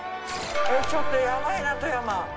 ちょっとヤバいな富山。